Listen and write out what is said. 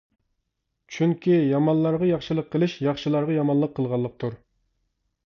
چۈنكى، يامانلارغا ياخشىلىق قىلىش ياخشىلارغا يامانلىق قىلغانلىقتۇر.